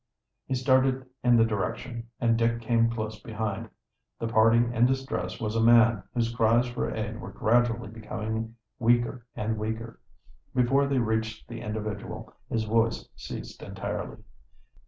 He started in the direction, and Dick came close behind. The party in distress was a man, whose cries for aid were gradually becoming weaker and weaker. Before they reached the individual his voice ceased entirely.